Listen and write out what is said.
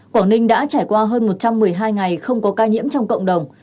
quảng ninh đã trải qua hơn một trăm một mươi hai ngày không có ca nhiễm trong cộng đồng